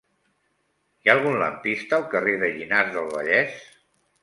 Hi ha algun lampista al carrer de Llinars del Vallès?